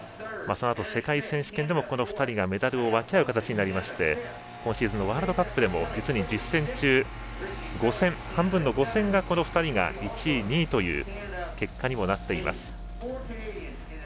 そのあと世界選手権でもこの２人がメダルを分け合う形で今シーズンのワールドカップでも１０戦中５戦半分の５戦でこの２人が１位、２位という結果にもなっています。